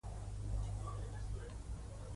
سهار د زړه خوښوي.